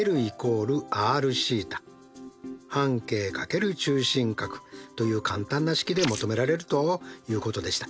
半径×中心角という簡単な式で求められるということでした。